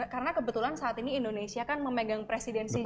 karena kebetulan saat ini indonesia kan memegang presidensi g dua puluh ya